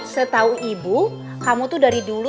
setahu ibu kamu tuh dari dulu